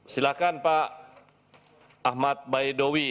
silakan pak ahmad baedowi